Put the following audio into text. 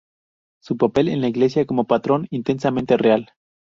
Su papel en la iglesia como patrón, intensamente real.